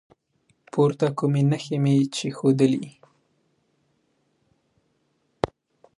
پورته کومې نښې مې چې وښودلي